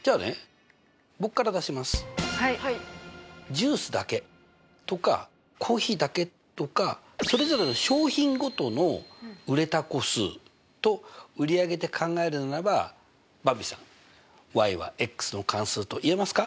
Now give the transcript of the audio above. ジュースだけとかコーヒーだけとかそれぞれの商品ごとの売れた個数と売り上げで考えるのならばばんびさんはの関数と言えますか？